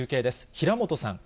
平本さん。